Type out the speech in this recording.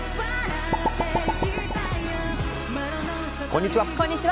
こんにちは。